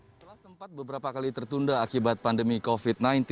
setelah sempat beberapa kali tertunda akibat pandemi covid sembilan belas